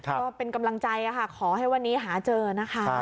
ก็เป็นกำลังใจค่ะขอให้วันนี้หาเจอนะคะ